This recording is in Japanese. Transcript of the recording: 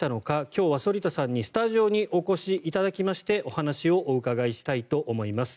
今日は反田さんにスタジオにお越しいただきましてお話をお伺いしたいと思います。